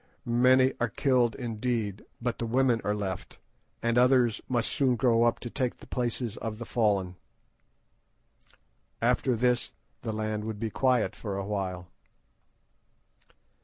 Many are killed, indeed, but the women are left, and others must soon grow up to take the places of the fallen. After this the land would be quiet for a while."